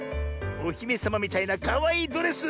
おひめさまみたいなかわいいドレス！